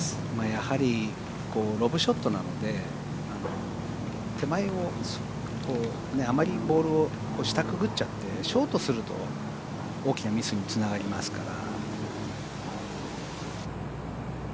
やはりロブショットなので手前を、あまりボールを下くぐっちゃってショートすると大きなミスにつながりますから。